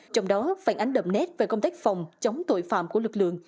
trong đó phản ánh đậm nét về công tác phòng chống tội phạm của lực lượng